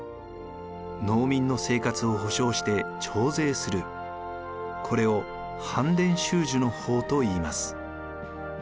農民の生活を保障して徴税するこれを班田収授法といいます。